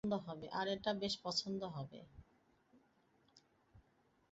তার এটা বেশ পছন্দ হবে।